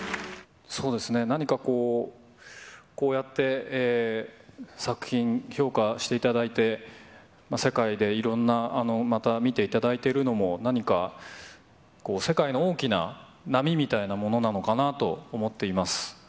何かこう、こうやって作品、評価していただいて、世界でいろんな、また見ていただいているのも、何か世界の大きな波みたいなものなのかなと思っています。